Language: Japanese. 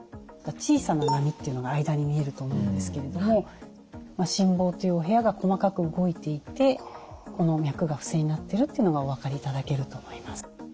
小さな波というのが間に見えると思うんですけれども心房という部屋が細かく動いていてこの脈が不整になっているというのがお分かりいただけると思います。